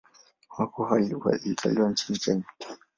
Wako alizaliwa nchini Kenya.